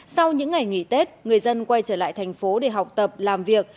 sau những ngày nghỉ tết người dân quay trở lại thành phố để học tập làm việc